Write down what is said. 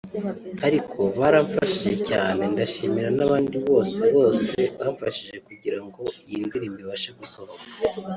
Ati “Baramfashije cyaneee ndashimira n’abandi bose bose bamfashije kugira ngo iyi ndirimbo ibashe gusohoka